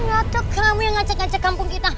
enggak tuh kamu yang ngacek ngacek kampung kita hah